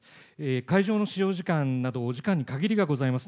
会場の使用時間など、お時間に限りがございます。